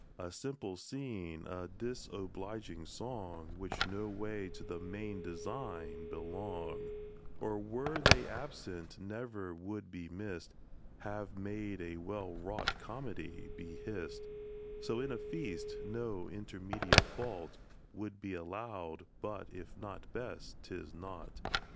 A simple scene, a disobliging song, Which no way to the main design belong, Or were they absent never would be miss'd, Have made a well wrought comedy be hiss'd; So in a feast, no intermediate fault Will be allow'd; but if not best, 'tis nought.